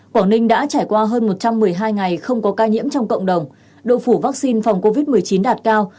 quảng ninh đã trải qua hơn một trăm một mươi hai ngày không có ca nhiễm trong cộng đồng độ phủ vaccine phòng covid một mươi chín đạt cao